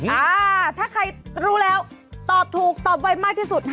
อ่าถ้าใครรู้แล้วตอบถูกตอบไว้มากที่สุดฮะ